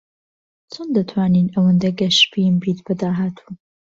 چۆن دەتوانیت ئەوەندە گەشبین بیت بە داهاتوو؟